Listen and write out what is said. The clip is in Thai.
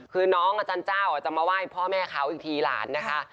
คือน้องอาจารย์เจ้าจะมาไหว้พ่อแม่เขาอีกทีหลานนะคะ